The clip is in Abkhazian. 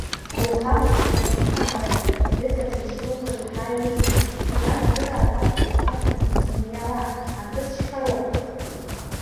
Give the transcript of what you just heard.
Ухала заҵәык умцандаз, ҩызак дышьҭухыр иаҳа еиӷьын, иалудыраауазеи абнаҿ узыниауа, акыс шьхароуп…